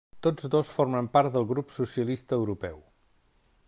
Tots dos formen part del Grup Socialista Europeu.